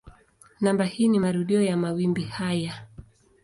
Namba hii ni marudio ya mawimbi haya.